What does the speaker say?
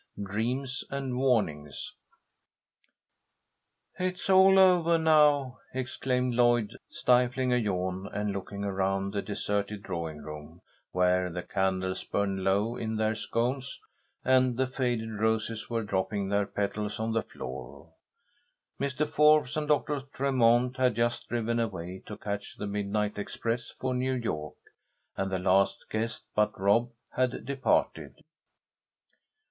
DREAMS AND WARNINGS "It's all ovah now!" exclaimed Lloyd, stifling a yawn and looking around the deserted drawing room, where the candles burned low in their sconces, and the faded roses were dropping their petals on the floor. Mr. Forbes and Doctor Tremont had just driven away to catch the midnight express for New York, and the last guest but Rob had departed.